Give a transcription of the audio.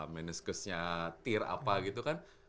atau meniscusnya tir apa gitu kan